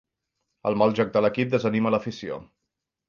El mal joc de l'equip desanima l'afició.